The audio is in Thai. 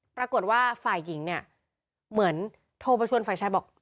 ปรากฏว่าฝ่ายหญิงเนี่ยเหมือนโทรไปชวนฝ่ายชายบอก